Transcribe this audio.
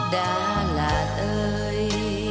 đà lạt ơi